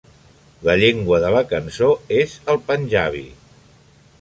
La llengua de la cançó és el panjabi.